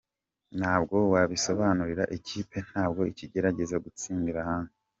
Ntabwo wabisobanura, ikipe ntabwo ikigerageza gutsindira hanze.